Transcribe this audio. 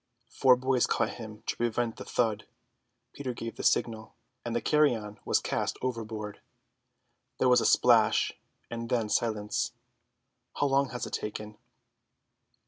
Four boys caught him to prevent the thud. Peter gave the signal, and the carrion was cast overboard. There was a splash, and then silence. How long has it taken?